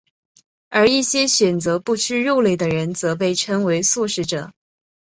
而一些选择不吃肉类的人则被称为素食者。